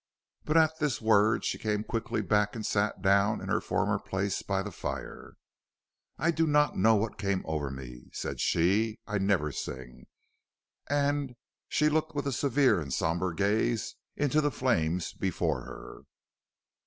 But at this word, she came quickly back and sat down in her former place by the fire. "I do not know what came over me," said she; "I never sing." And she looked with a severe and sombre gaze into the flames before her.